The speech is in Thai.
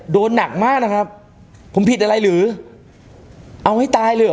โดนหนักมากนะครับผมผิดอะไรหรือเอาให้ตายเลยเหรอ